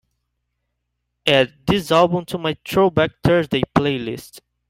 add this album to my Throwback Thursday playlist